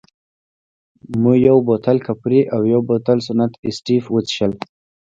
مو یو بوتل کپري او یو بوتل سنت اېسټېف وڅېښل.